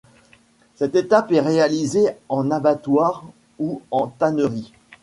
Cette étape est réalisée en abattoir ou en tannerie.